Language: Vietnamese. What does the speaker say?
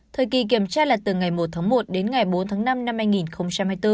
thời kỳ kiểm tra là từ ngày một tháng một đến ngày bốn tháng năm năm hai nghìn hai mươi bốn